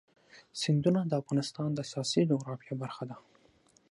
سیندونه د افغانستان د سیاسي جغرافیه برخه ده.